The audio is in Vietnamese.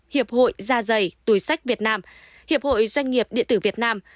hiệp hội gia giày tùy sách việt nam hiệp hội doanh nghiệp địa tử việt nam